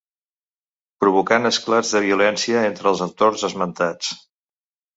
Provocant esclats de violència entre els autors esmentats.